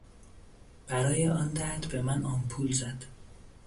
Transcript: برای آن درد به من آمپول زد.